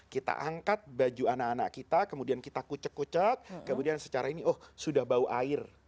kita angkat baju anak anak kita kemudian kita kucek kucek kemudian secara ini oh sudah bau air